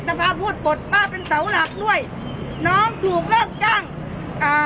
พาพูดบทป้าเป็นเสาหลักด้วยน้องถูกเลิกจ้างอ่า